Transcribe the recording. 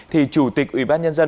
thì chủ tịch ubnd